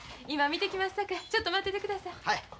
今見てきますさかいちょっと待っててください。